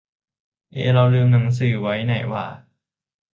เอ เราไปลืมหนังสือไว้ไหนหว่า